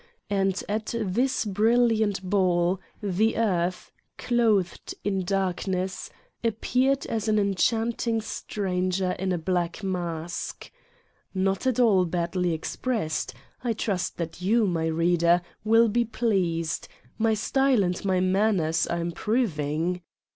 And at this brilliant ball the earth, clothed in darkness, appeared as an enchanting stranger in a black mask. (Not at all badly expressed? I trust that you, my reader, will be pleased:, my style and my manners are improving!)